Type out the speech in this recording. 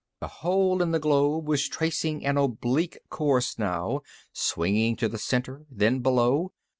The hole in the globe was tracing an oblique course now, swinging to the center, then below.